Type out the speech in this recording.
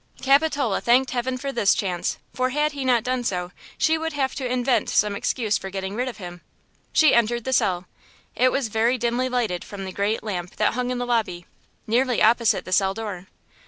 Capitola thanked heaven for this chance, for had he not done so she would have to invent some excuse for getting rid of him. She entered the cell. It was very dimly lighted from the great lamp that hung in the lobby, nearly opposite the cell door.